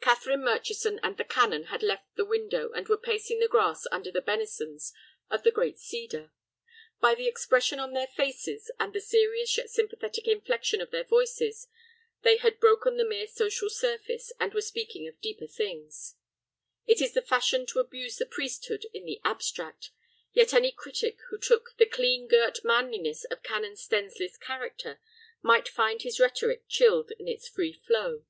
Catherine Murchison and the Canon had left the window, and were pacing the grass under the benisons of the great cedar. By the expression of their faces, and the serious yet sympathetic inflection of their voices, they had broken the mere social surface, and were speaking of deeper things. It is the fashion to abuse the priesthood in the abstract, yet any critic who took the clean girt manliness of Canon Stensly's character might find his rhetoric chilled in its free flow.